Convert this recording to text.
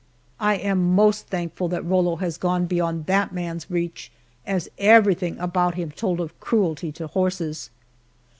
I am most thankful that Rollo has gone beyond that man's reach, as everything about him told of cruelty to horses.